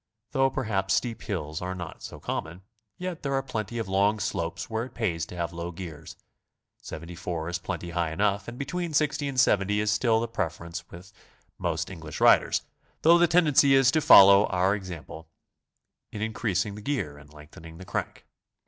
Though per haps steep hills are not so common, yet there are plenty of long slopes where it pays to have low gears; 74 is plenty high enough, and between 60 and 70 is still the preference with most English riders, though the tendency is to follow our example in increasing the gear and lengthening the crank.